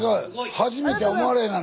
初めてや思われへんがな。